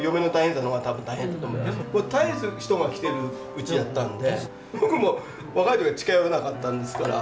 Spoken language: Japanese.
絶えず人が来てる家やったんで僕も若いとき近寄れなかったんですから。